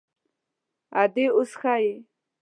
_ادې، اوس ښه يم.